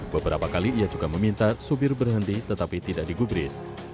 beberapa kali ia juga meminta supir berhenti tetapi tidak digubris